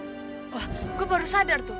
wah gue baru sadar tuh